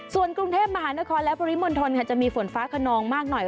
ส่วนกรุงเทพมหานครและปริมณฑลจะมีฝนฟ้าขนองมากหน่อย